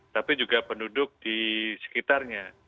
tapi juga penduduk di sekitarnya